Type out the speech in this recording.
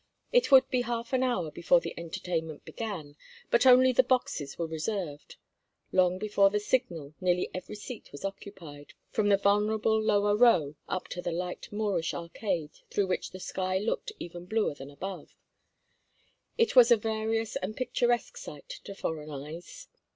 It would be half an hour before the entertainment began, but only the boxes were reserved; long before the signal nearly every seat was occupied, from the vulnerable lower row up to the light Moorish arcade through which the sky looked even bluer than above. It was a various and picturesque sight to foreign eyes.